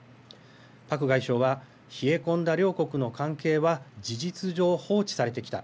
パク外相は冷え込んだ両国の関係は事実上放置されてきた。